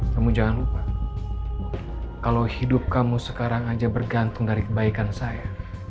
kamu jangan lupa kalau hidup kamu sekarang aja bergantung dari kebaikan saya